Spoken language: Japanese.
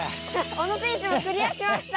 小野選手もクリアしました！